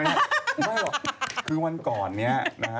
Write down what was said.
ไม่หรอกคือวันก่อนนี้นะฮะ